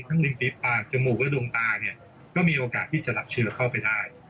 ทั้งลิมปีปลากจมูกและดวงตาก็มีโอกาสที่จะรับเชื้อเข้าไปได้